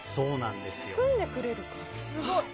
包んでくれる感じ。